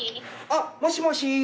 あっもしもし？